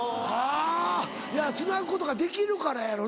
あいやつなぐことができるからやろね。